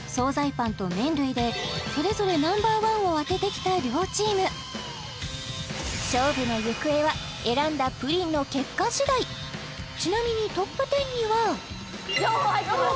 パンと麺類でそれぞれＮｏ．１を当ててきた両チーム勝負の行方は選んだプリンの結果次第ちなみにトップ１０には両方入ってます